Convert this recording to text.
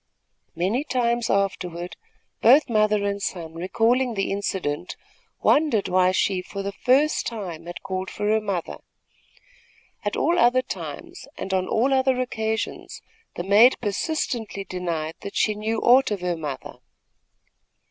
Many times afterward, both mother and son, recalling the incident, wondered why she, for the first time, had called for her mother. At all other times and on all other occasions, the maid persistently denied that she knew aught of her mother.